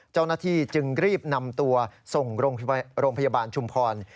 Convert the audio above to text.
เจ้าหน้าที่จึงรีบนำตัวส่งโรงพยาบาลชุมพร